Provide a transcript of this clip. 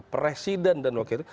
presiden dan wakil itu